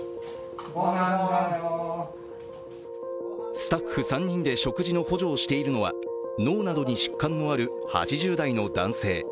スタッフ３人で食事の補助をしているのは脳などに疾患のある８０代の男性。